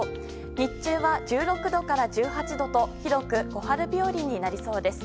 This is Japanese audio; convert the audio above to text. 日中は１６度から１８度と広く小春日和になりそうです。